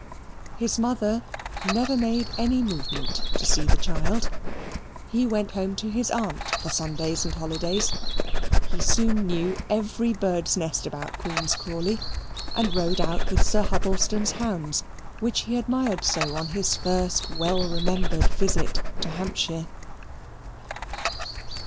His mother never made any movement to see the child. He went home to his aunt for Sundays and holidays; he soon knew every bird's nest about Queen's Crawley, and rode out with Sir Huddlestone's hounds, which he admired so on his first well remembered visit to Hampshire.